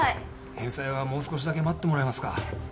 返済はもう少しだけ待ってもらえますか？